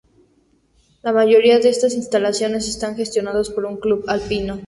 La mayoría de estas instalaciones están gestionados por un club alpino.